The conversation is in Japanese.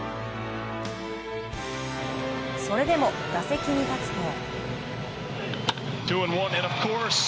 それでも打席に立つと。